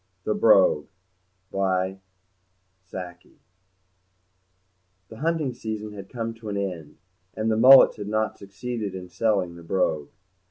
THE BROGUE The hunting season had come to an end, and the Mullets had not succeeded in selling the Brogue.